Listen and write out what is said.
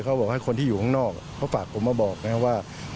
เขาบอกให้คนที่อยู่ข้างนอกเขาฝากผมมาบอกนะครับว่า